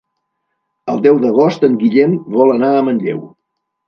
El deu d'agost en Guillem vol anar a Manlleu.